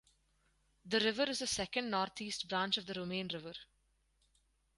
The river is the second northeast branch of the Romaine River.